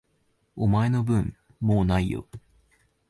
お前の分、もう無いよ。